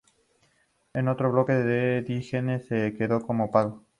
El otro buque, el Diógenes, se quedó como pago.